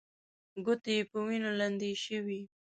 ګوتې يې په وينو لندې شوې.